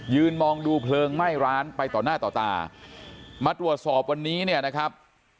มองดูเพลิงไหม้ร้านไปต่อหน้าต่อตามาตรวจสอบวันนี้เนี่ยนะครับ